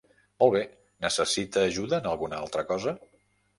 Molt bé, necessita ajuda en alguna altra cosa?